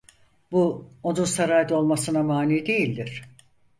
Bu, onun sarayda olmasına mani değildir.